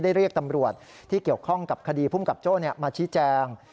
เรียกตำรวจที่เกี่ยวข้องกับคดีภูมิกับโจ้มาชี้แจง